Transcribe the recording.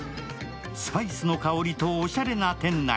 スパイスの香りとおしゃれな店内。